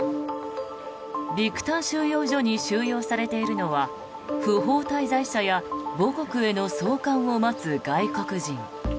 ビクタン収容所に収容されているのは不法滞在者や母国への送還を待つ外国人。